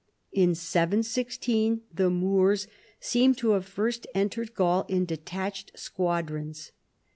In T16 the Moors seem to have first entered Gaul in detached squadrons.